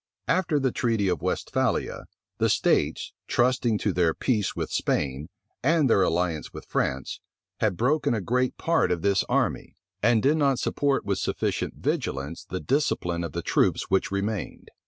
After the treaty of Westphalia, the states, trusting to their peace with Spain, and their alliance with France, had broken a great part of this army, and did not support with sufficient vigilance the discipline of the troops which remained.